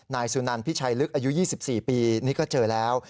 นายสุนันพิชัยลึกอายุ๒๔ปีนี่ก็เจอแล้ว